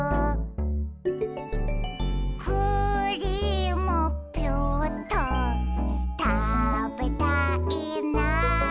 「クリームピューっとたべたいな」